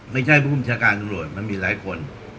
ไม่ใช่ผู้บัญชาการตำรวจมันมีหลายคน